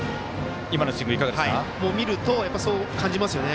見ると、そう感じますよね。